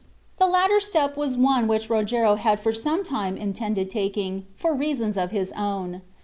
The latter step was one which Rogero had for some time intended taking, for reasons of his own.